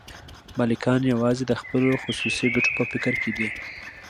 مالکان یوازې د خپلو خصوصي ګټو په فکر کې دي